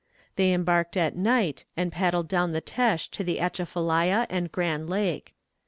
They embarked at night, and paddled down the Têche to the Atchafalaya and Grand Lake.